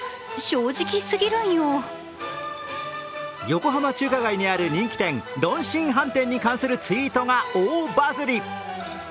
横浜中華街にある人気店龍興飯店に関するツイートが大バズり。